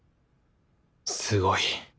すごい。